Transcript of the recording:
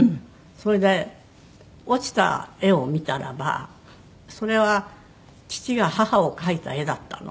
それで落ちた絵を見たらばそれは父が母を描いた絵だったの。